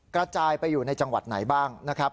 กระจายไปอยู่ในจังหวัดไหนบ้างนะครับ